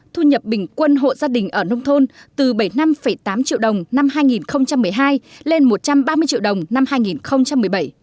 thu nhập bình quân hộ gia đình ở nông thôn từ bảy mươi năm tám triệu đồng năm hai nghìn một mươi hai lên một trăm ba mươi triệu đồng năm hai nghìn một mươi bảy